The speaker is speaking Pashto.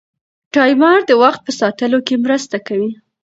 ټایمر د وخت په ساتلو کې مرسته کوي.